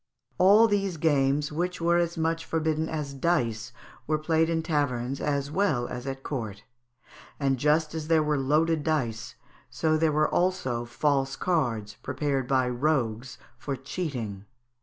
All these games, which were as much forbidden as dice, were played in taverns as well as at court; and, just as there were loaded dice, so were there also false cards, prepared by rogues for cheating.